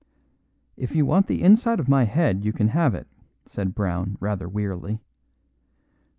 "If you want the inside of my head you can have it," said Brown rather wearily.